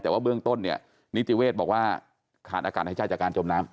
แต่ว่าเบื้องต้นนิจิเวศบอกว่าขาดอาการไฮชาติจากการจมน้ำ